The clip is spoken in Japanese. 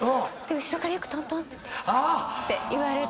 後ろからよくトントン。